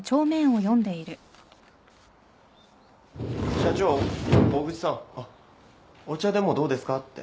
社長大口さんお茶でもどうですかって。